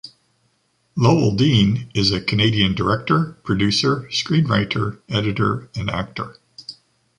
Lowell Dean is a Canadian director, producer, screenwriter, editor and actor.